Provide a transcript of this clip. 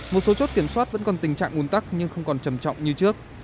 một số chốt kiểm soát vẫn còn tình trạng ủn tắc nhưng không còn trầm trọng như trước